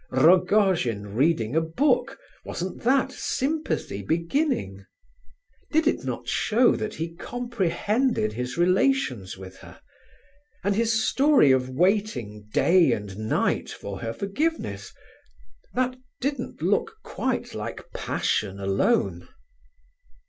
Rogojin reading a book—wasn't that sympathy beginning? Did it not show that he comprehended his relations with her? And his story of waiting day and night for her forgiveness? That didn't look quite like passion alone.